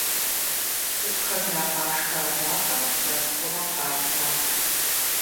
ЦӀыкӀухэм ягъашхэ адакъэр мэзхъумэм къаритат.